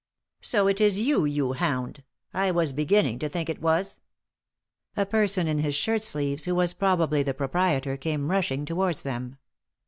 "So it is you, you hound 1 I was beginning to think it was." A person in his shirt sleeves, who was probably the proprietor, came rushing towards them.